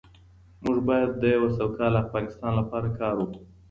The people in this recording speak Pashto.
موږ باید د یو سوکاله افغانستان لپاره کار وکړو.